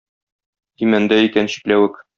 Имәндә икән чикләвек!